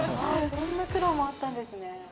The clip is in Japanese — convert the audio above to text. そんな苦労もあったんですね。